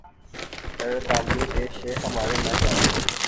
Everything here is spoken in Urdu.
''تر دامنی پہ شیخ ہماری نہ جائیو